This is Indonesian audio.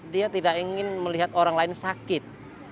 dia tidak ingin melihat orang lain sakit